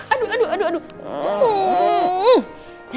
aduh aduh aduh